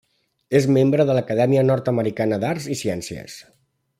És membre de l’Acadèmia Nord-Americana d'Arts i Ciències.